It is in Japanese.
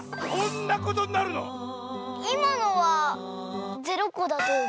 いまのは０こだとおもう。